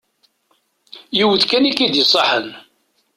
Yiwet kan i k-id-iṣaḥen.